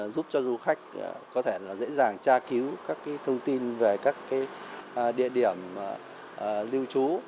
giúp cho du khách có thể dễ dàng tra cứu các thông tin về các địa điểm lưu trú